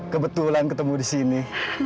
kebetulan ketemu disini